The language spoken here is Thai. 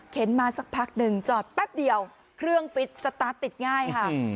มาสักพักหนึ่งจอดแป๊บเดียวเครื่องฟิตสตาร์ทติดง่ายค่ะ